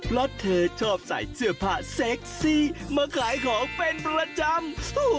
เพราะเธอชอบใส่เสื้อผ้าเซ็กซี่มาขายของเป็นประจำ